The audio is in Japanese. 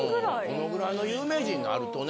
このぐらいの有名人になるとね。